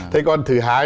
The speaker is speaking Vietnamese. thế còn thứ hai